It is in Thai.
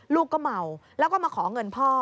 ลูกก็เมาแล้วก็มาขอเงินพ่อ